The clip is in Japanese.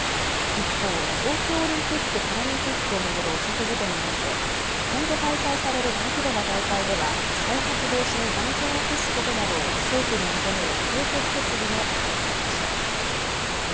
一方、東京オリンピック・パラリンピックを巡る汚職事件を受け、今後開催される大規模な大会では再発防止に万全を期すことなどを政府に求める警告決議も可決されました。